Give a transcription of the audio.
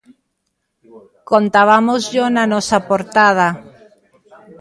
Contabámosllo na nosa portada.